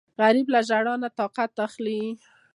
غریب له ژړا نه طاقت اخلي